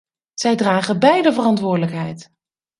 Zij dragen beide verantwoordelijkheid!